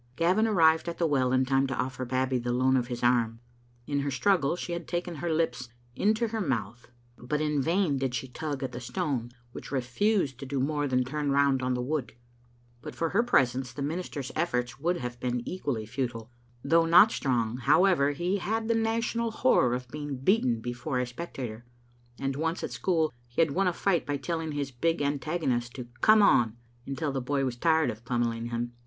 Gavin arrived at the well in time to offer Babbie the loan of his arms. In her struggle she had taken her lips into her mouth, but in vain did she tug at the stone, which refused to do more than turn round on the wood. But for her presence, the minister's efforts would have been equally futile. Though not strong, however, he had the national horrer of being beaten before a specta tor, and once at school he had won a fight by telling his big antagonist to come on until the boy was tired of pummelling him.